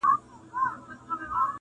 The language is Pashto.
ما په ژوند کي داسي قام نه دی لیدلی-